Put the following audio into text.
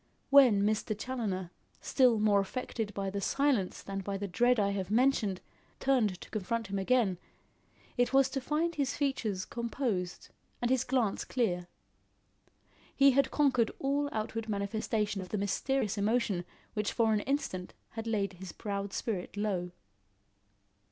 When Mr. Challoner, still more affected by the silence than by the dread I have mentioned, turned to confront him again, it was to find his features composed and his glance clear. He had conquered all outward manifestation of the mysterious emotion which for an instant had laid his proud spirit low.